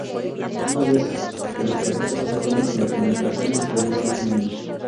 Una vez que la pareja se forma, la comunicación entre ellos es mínima.